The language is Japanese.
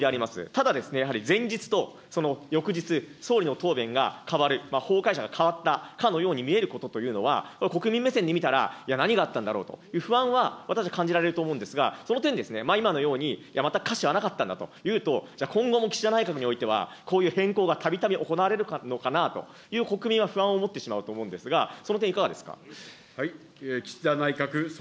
ただ、やはり前日とその翌日、総理の答弁が、変わる、法解釈が変わったかのように見えることというのは、国民目線で見たら、いや、何があったんだろうと、不安は私は感じられると思うんですが、その点、今のように、またかしはなかったんだとじゃ、今後も岸田内閣においては、こういう変更がたびたび行われるのかなと、国民は不安を持ってしまうと思うんですが、その点、いかがですか。